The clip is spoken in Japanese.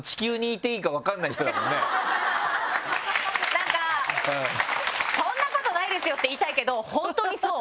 なんか「そんなことないですよ！」って言いたいけど本当にそう！